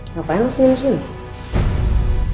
ngapain lo senyum senyum